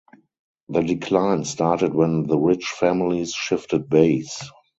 The decline started when the rich families shifted base.